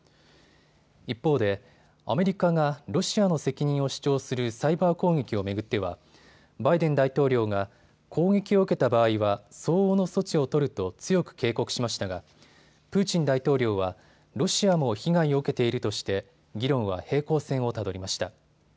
一方でアメリカがロシアの責任を主張するサイバー攻撃を巡ってはバイデン大統領が攻撃を受けた場合は相応の措置を取ると強く警告しましたがプーチン大統領はロシアも被害を受けているとして議論は平行線をたどりました。